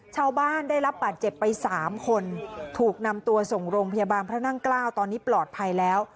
ได้รับบาดเจ็บไป๓คนถูกนำตัวส่งโรงพยาบาลพระนั่งเกล้าตอนนี้ปลอดภัยแล้ว